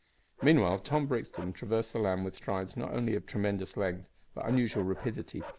Meanwhile Tom Brixton traversed the land with strides not only of tremendous length, but unusual rapidity.